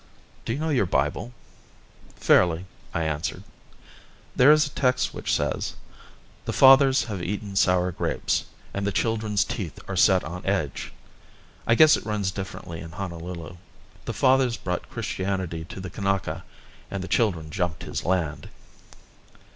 "Do you know your Bible?" "Fairly," I answered. "There is a text which says: The fathers have eaten sour grapes and the children's teeth are set on edge. I guess it runs differently in Honolulu. The fathers brought Christianity to the Kanaka and the children jumped his land."